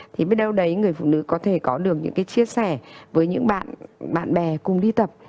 thì bên đâu đấy người phụ nữ có thể có được những cái chia sẻ với những bạn bạn bè cùng đi tập